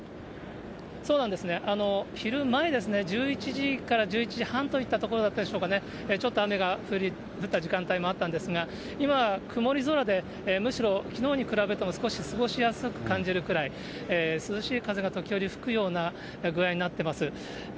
そうなんですね、昼前ですね、１１時から１１時半といったところでしょうかね、ちょっと雨が降った時間帯もあったんですが、今、曇り空でむしろきのうに比べても少し過ごしやすく感じるくらい、涼しい風が時折吹くような具合になってます。